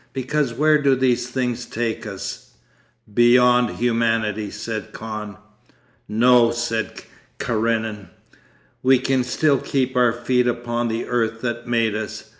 Because where do these things take us?' 'Beyond humanity,' said Kahn. 'No,' said Karenin. 'We can still keep our feet upon the earth that made us.